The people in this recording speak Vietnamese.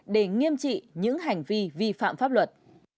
để nghiêm trị những hành vi vi phạm pháp luật